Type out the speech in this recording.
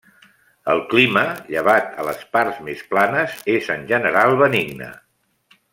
El clima, llevat a les parts més planes, és en general benigne.